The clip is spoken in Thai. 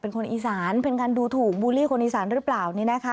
เป็นคนอีสานเป็นการดูถูกบูลลี่คนอีสานหรือเปล่านี่นะคะ